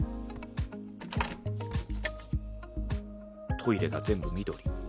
トイレが全部緑。